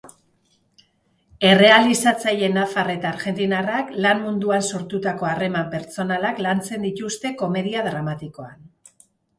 Errealizatzaile nafar eta argentinarrak lan munduan sortutako harreman pertsonalak lantzen dituzte komedia dramatikoan.